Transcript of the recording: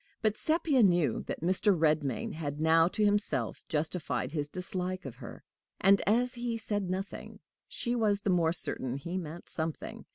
But Sepia knew that Mr. Redmain had now to himself justified his dislike of her; and, as he said nothing, she was the more certain he meant something.